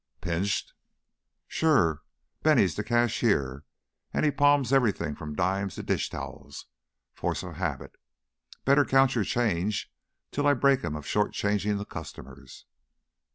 "Pinched?" "Sure! Bennie's the cashier, and he palms everything from dimes to dishtowels. Force of habit! Better count your change till I break him of short changing the customers."